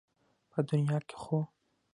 په دنيا کې خو